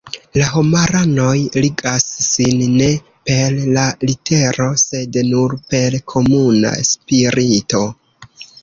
La homaranoj ligas sin ne per la litero sed nur per komuna spirito.